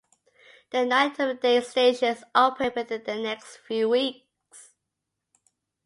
The nine intermediate stations opened within the next few weeks.